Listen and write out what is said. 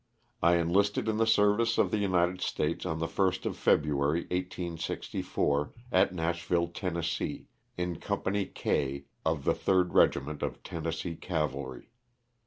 I enlisted in the serv * ice of the United States on the Ist of February, 1864, at Nashville, Tenn., in Company K, of the 3rd Regiment of Tennessee Cavalry.